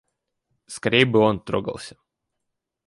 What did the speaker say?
Скорей бы он трогался!